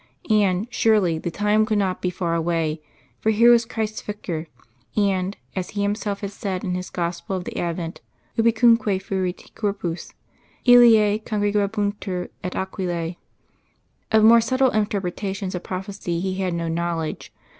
And, surely, the time could not be far away, for here was Christ's Vicar; and, as He Himself had said in His gospel of the Advent, Ubicumque fuerit corpus, illie congregabuntur et aquilae. Of more subtle interpretations of prophecy he had no knowledge.